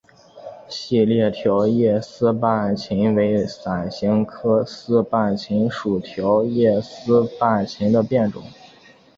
细裂条叶丝瓣芹为伞形科丝瓣芹属条叶丝瓣芹的变种。